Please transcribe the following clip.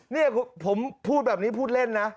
นี่ผมพูดแบบนี้พูดเล่นนะ